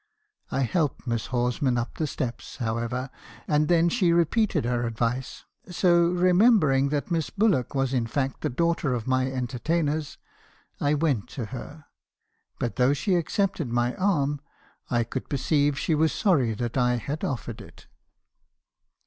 "I helped Miss Horsman up the steps, however, and then ahe repeated her advice; so, remembering that Miss Bullock was in fact the daughter of my entertainers, I went to her; but though she accepted my arm , I could perceive she was sorry that I had offered it.